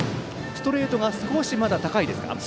ストレートが少しまだ高いですか？